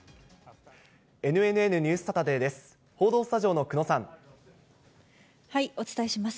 ＮＮＮニュースサタデーです。